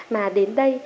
mà đến đây